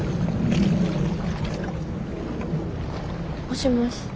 もしもし。